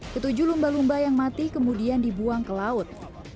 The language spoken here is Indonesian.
ketujuh lumba lumba yang mati kemudian dibuang ke laut